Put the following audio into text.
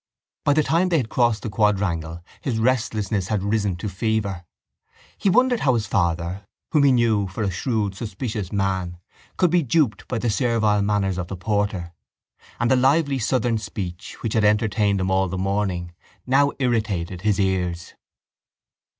By the time they had crossed the quadrangle his restlessness had risen to fever. He wondered how his father, whom he knew for a shrewd suspicious man, could be duped by the servile manners of the porter; and the lively southern speech which had entertained him all the morning now irritated his ears.